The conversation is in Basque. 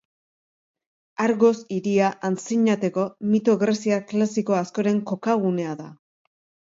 Argos hiria antzinateko mito greziar klasiko askoren kokagunea da.